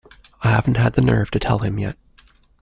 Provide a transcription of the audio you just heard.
I haven't had the nerve to tell him yet.